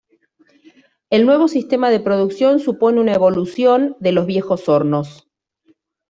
El nuevo sistema de producción supone una evolución de los viejos hornos.